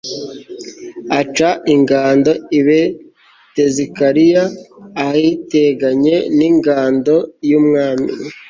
aca ingando i betizakariya, ahateganye n'ingando y'umwami